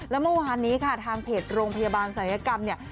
แล้วเมื่อวานนี้ค่ะทางเพจโรงพยาบาลศัลยกรรมเนี่ย